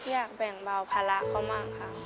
อยากแบ่งเบาภาระเขามากค่ะ